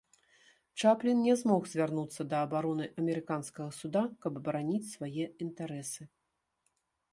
Чаплін не змог звярнуцца да абароны амерыканскага суда, каб абараніць свае інтарэсы.